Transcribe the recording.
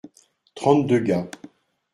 Trente-deux gars.